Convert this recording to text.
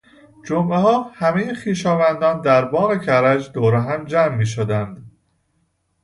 جمعهها همهی خویشاوندان در باغ کرج دور هم جمع میشدند.